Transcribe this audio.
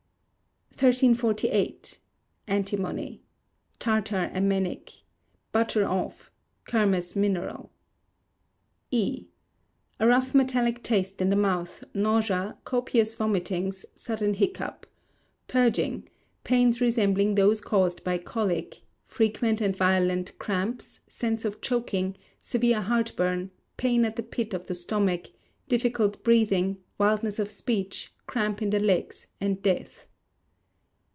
1348. Antimony. (Tartar emetic; butter of; Kermes' mineral.) E. A rough metallic taste in the mouth, nausea, copious vomitings, sudden hiccough, purging, pains resembling those caused by colic, frequent and violent cramps, sense of choking, severe heartburn, pain at the pit of the stomach, difficult breathing, wildness of speech, cramp in the legs, and death.